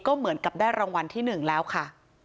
ก็เหมือนกับได้รางวัลที่๑แล้วค่ะ